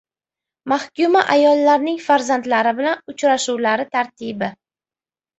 Mahkuma ayollarning farzandlari bilan uchrashuvlari tartibi